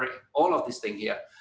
semua hal ini di sini